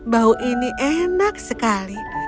bau ini enak sekali